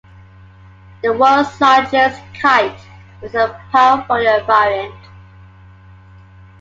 The world's largest kite is a parafoil-variant.